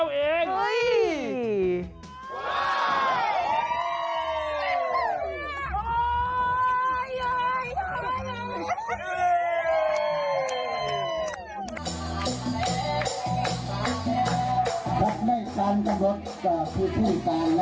โอ๊ยชิคกี้พาย